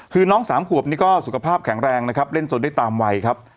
คือน้องสามขวบนี่ก็สุขภาพแข็งแรงนะครับเล่นสนได้ตามวัยครับ